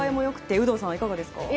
有働さん、いかがですか？